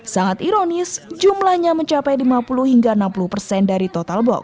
sangat ironis jumlahnya mencapai lima puluh hingga enam puluh persen dari total box